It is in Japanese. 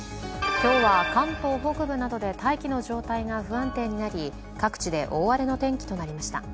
今日は関東北部などで大気の状態が不安定になり各地で大荒れの天気となりました。